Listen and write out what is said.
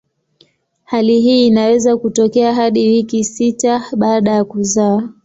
Hali hii inaweza kutokea hadi wiki sita baada ya kuzaa.